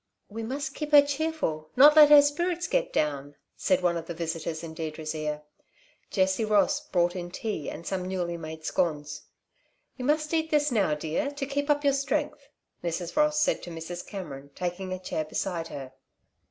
"We must keep her cheerful, not let her spirits get down," one of the visitors said in Deirdre's ear. Jessie Ross brought in tea, and some newly made scones. "You must eat this now, dear, to keep up your strength," Mrs. Ross said to Mrs. Cameron, taking a chair beside her.